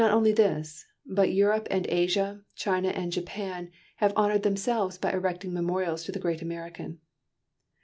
Not only this, but Europe and Asia, China and Japan have honoured themselves by erecting memorials to the great American.